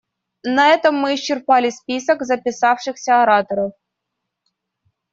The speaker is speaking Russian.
На этом мы исчерпали список записавшихся ораторов.